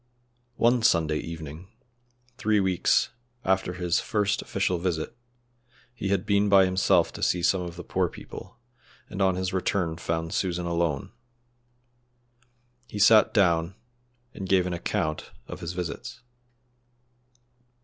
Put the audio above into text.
One Sunday evening three weeks after his first official visit he had been by himself to see some of the poor people, and on his return found Susan alone. He sat down and gave an account of his visits.